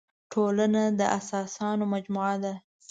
ټولنه د اسانانو مجموعه ده.